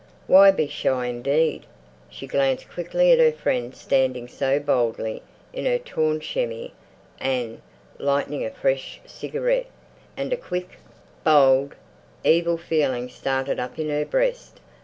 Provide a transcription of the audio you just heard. Why be shy indeed! She glanced quickly at her friend standing so boldly in her torn chemise and lighting a fresh cigarette; and a quick, bold, evil feeling started up in her breast.